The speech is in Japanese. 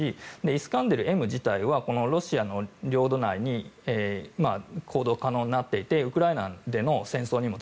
イスカンデルＭ自体はロシアの領土内に行動可能になっていてウクライナでの戦争にも